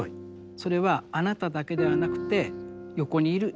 それはあなただけではなくて横にいる人も。